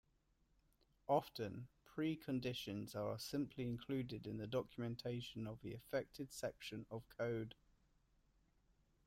Often, preconditions are simply included in the documentation of the affected section of code.